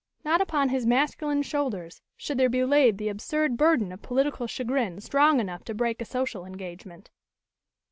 Not upon his masculine shoulders should there be laid the absurd burden of political chagrin strong enough to break a social engagement.